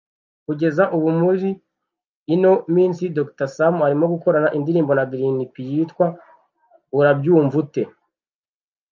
Kugeza ubu muri ino minsi Dr Sam arimo gukorana indirimbo na Green-P yitwa “Urabyumvute